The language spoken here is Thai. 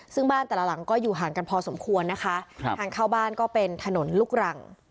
ซึ่งบ้านแต่ละหลังก็อยู่ห่างกันพอสมควรนะคะครับทางเข้าบ้านก็เป็นถนนลูกรัง